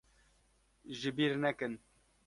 Ji bîr nekin.